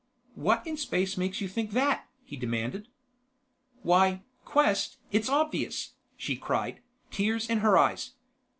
"What in space makes you think that?" he demanded. "Why, Quest, it's obvious," she cried, tears in her eyes.